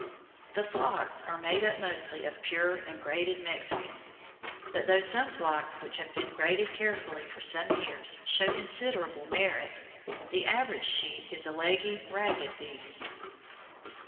The flocks are made up mostly of pure and graded Mexicans; but though some flocks which have been graded carefully for some years show considerable merit, the average sheep is a leggy, ragged beast.